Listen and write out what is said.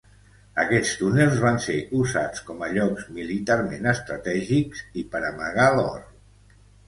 Aquests túnels van ser usats com a llocs militarment estratègics i per amagar l'or.